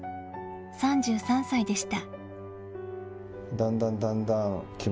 ３３歳でした。